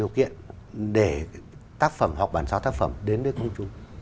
điều kiện để tác phẩm hoặc bản xóa tác phẩm đến với công chúng